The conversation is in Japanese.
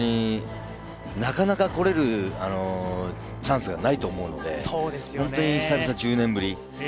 なかなか来れるチャンスがないと思うので、本当に久々１０年ぶり。